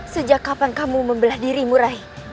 sejak kapan kamu membelah dirimu rai